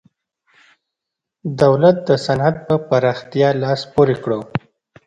دولت د صنعت پر پراختیا لاس پورې کړ.